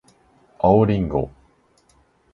青りんご